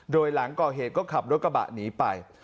โดยหลังก่อเหตุก็ขับรถกระบะหนีไป